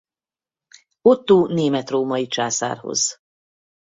Ottó német-római császárhoz.